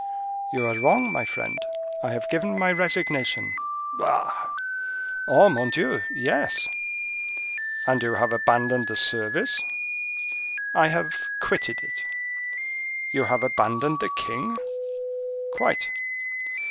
"You are wrong, my friend; I have given in my resignation." "Bah!" "Oh, mon Dieu! yes." "And you have abandoned the service?" "I have quitted it." "You have abandoned the king?" "Quite."